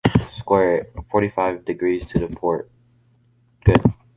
Square it. Forty-five degrees to port. Good.